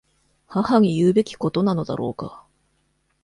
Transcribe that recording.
母に言うべきことなのだろうか。